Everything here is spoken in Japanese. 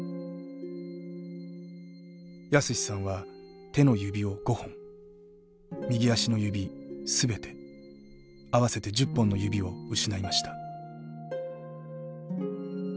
泰史さんは手の指を５本右足の指すべて合わせて１０本の指を失いました。